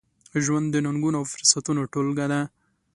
ژوند د ننګونو، او فرصتونو ټولګه ده.